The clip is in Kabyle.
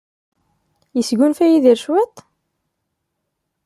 Yesgunfa Yidir cwiṭ?